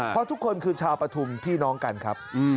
เพราะทุกคนคือชาวปฐุมพี่น้องกันครับ